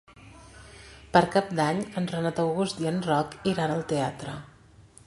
Per Cap d'Any en Renat August i en Roc iran al teatre.